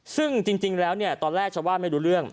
ซึ่งจริงแล้วเนี่ยตอนแรกชาวบ้านไม่รู้เรื่อง